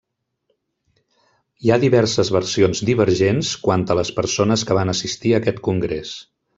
Hi ha diverses versions divergents quant a les persones que van assistir a aquest congrés.